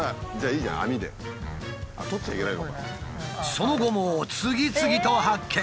その後も次々と発見。